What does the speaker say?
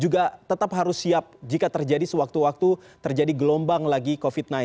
juga tetap harus siap jika terjadi sewaktu waktu terjadi gelombang lagi covid sembilan belas